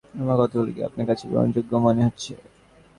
আমার কথাগুলি কি আপনার কাছে গ্রহণযোগ্য মনে হচ্ছে?